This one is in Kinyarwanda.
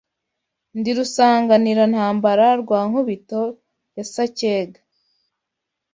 Ndi Rusanganirantambara rwa nkubito ya sacyega